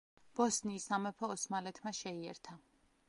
ბოსნიის სამეფო ოსმალეთმა შეიერთა.